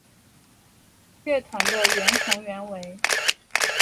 乐团的原成员为。